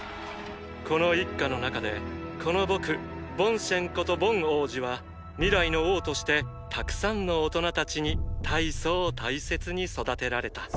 この一家の中でこの僕ボンシェンことボン王子は未来の王としてたくさんの大人たちに大層大切に育てられた！！